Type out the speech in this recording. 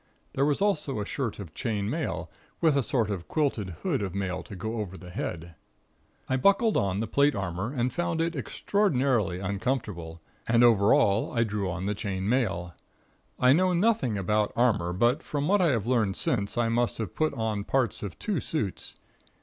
There was also a shirt of chain mail, with a sort of quilted hood of mail to go over the head. "I buckled on the plate armor, and found it extraordinarily uncomfortable, and over all I drew on the chain mail. I know nothing about armor, but from what I have learned since, I must have put on parts of two suits.